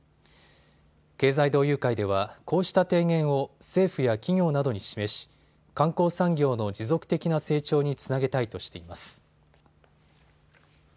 経済同友会ではこうした提言を政府や企業などに示し観光産業の持続的な成長につなげたいとしています。